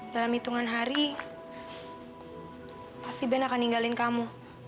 dalam hitungan hari pasti ben akan ninggalin kamu